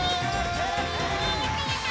やったやった。